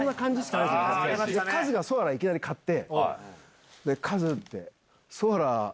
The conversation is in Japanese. カズがソアラいきなり買って。